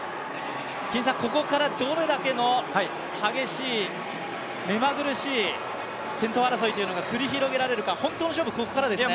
ここからどれだけの激しい、めまぐるしい先頭争いが繰り広げられるか、本当の勝負、ここからですね。